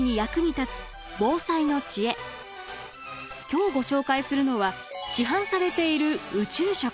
今日ご紹介するのは市販されている宇宙食。